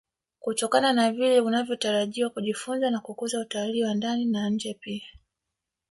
kutokana na vile unavyotarajia kujifunza na kukuza utalii wa ndani na nje pia